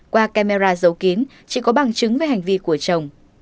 qua camera giấu kín chị có bằng chứng về hành vi của chồng